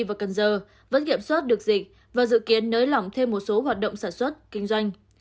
và cần giờ vẫn kiểm soát được dịch và dự kiến nới lỏng thêm một số hoạt động sản xuất kinh doanh